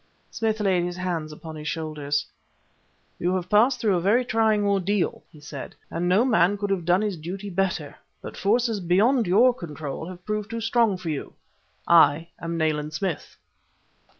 Smith laid his hands upon his shoulders. "You have passed through a very trying ordeal," he said, "and no man could have done his duty better; but forces beyond your control have proved too strong for you. I am Nayland Smith."